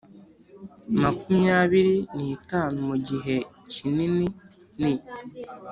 Makumyabiri n itanu mu gihe kininini